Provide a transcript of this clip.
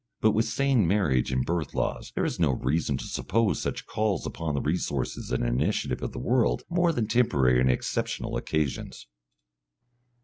But with sane marriage and birth laws there is no reason to suppose such calls upon the resources and initiative of the world more than temporary and exceptional occasions.